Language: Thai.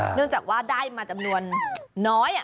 เนื่องจากว่าได้มาจำนวนน้อย